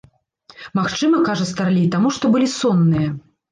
Магчыма, кажа старлей, таму што былі сонныя.